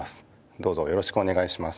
どうぞよろしくおねがいします。